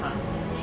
え？